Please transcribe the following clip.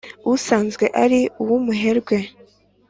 usanzwe ari uw’umuherwe